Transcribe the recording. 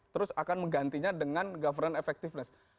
terus akan menggantinya dengan governance effectiveness